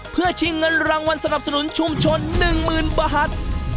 เพื่อชิงเงินรางวัลสนับสนุนชุมชนหนึ่งหมื่นบาท